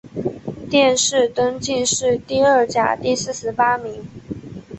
殿试登进士第二甲第四十八名。